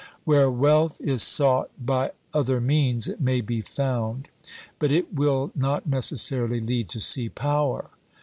Where wealth is sought by other means, it may be found; but it will not necessarily lead to sea power.